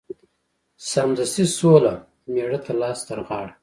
سمدستي سوله مېړه ته لاس ترغاړه